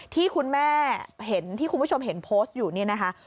ที่คุณแม่เห็นที่คุณผู้ชมเห็นโพสต์อยู่เนี่ยนะคะ